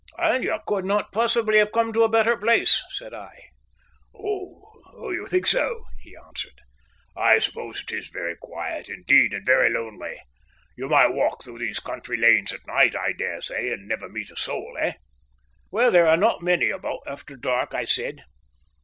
"And you could not possibly have come to a better place," said I. "Oh, you think so?" he answered. "I suppose it is very quiet indeed, and very lonely. You might walk through these country lanes at night, I dare say, and never meet a soul, eh?" "Well, there are not many about after dark," I said.